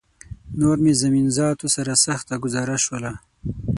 نور مې زمین ذاتو سره سخته ګوزاره شوله